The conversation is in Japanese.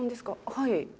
はい。